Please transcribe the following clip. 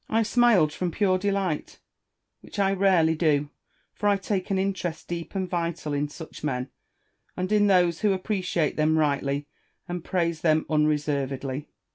I smiled from pure delight, which I rarely do; for I take an interest deep and vital in such men, and in those who appreciate them rightly and praise them unre servedly.